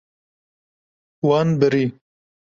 Wan birî.